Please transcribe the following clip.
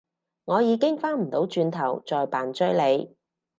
我已經返唔到轉頭再扮追你